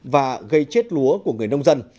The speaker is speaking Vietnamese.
và gây chết lúa của người nông dân